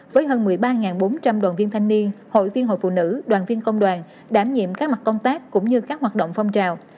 với hơn một mươi ba bốn trăm linh đoàn viên thanh niên hội viên hội phụ nữ đoàn viên công đoàn đảm nhiệm các mặt công tác cũng như các hoạt động phong trào